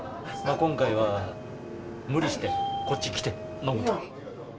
今回は無理して、こっち来て飲むと。